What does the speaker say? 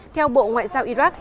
theo bộ ngoại giao iraq